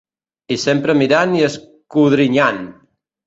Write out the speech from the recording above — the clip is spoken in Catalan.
I sempre mirant i escodrinyant!